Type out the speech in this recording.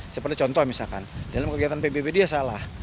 seperti contoh misalkan dalam kegiatan pbb dia salah